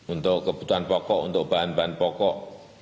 untuk kebutuhan pokok untuk bahan bahan pokok